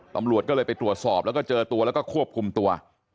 ตำรวจก็เลยไปตรวจสอบแล้วก็เจอตัวแล้วก็ควบคุมตัว